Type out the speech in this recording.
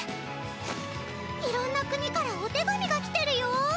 いろんな国からお手紙が来てるよ！